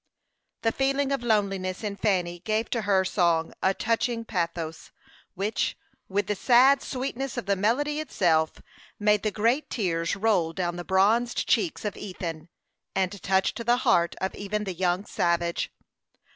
The feeling of loneliness in Fanny gave to her song a touching pathos, which, with the sad sweetness of the melody itself, made the great tears roll down the bronzed checks of Ethan, and touched the heart of even the young savage.